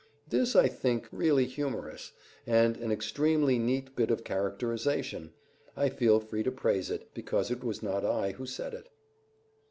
This I think really humorous, and an extremely neat bit of characterization; I feel free to praise it, because it was not I who said it.